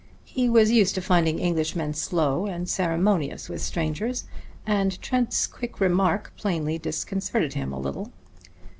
He was used to finding Englishmen slow and ceremonious with strangers, and Trent's quick remark plainly disconcerted him a little.